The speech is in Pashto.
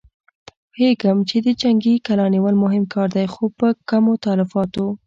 پوهېږم چې د جنګي کلا نيول مهم کار دی، خو په کمو تلفاتو.